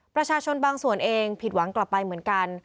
ประชาชนบางส่วนเองผิดหวังกลับไปเหมือนกัน